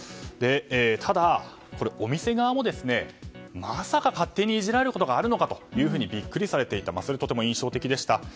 ただ、お店側もまさか勝手にいじられることがあるのかとビックリされていたそれがとても印象的でした。